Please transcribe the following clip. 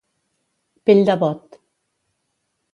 Pell de bot.